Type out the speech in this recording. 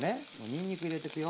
にんにく入れてくよ。